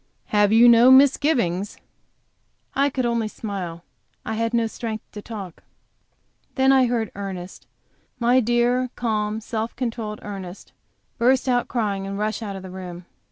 "Have you no misgivings?" I could only smile; I had no strength to talk. Then I heard Ernest my dear, calm, self controlled Ernest burst out crying and rush out of the room.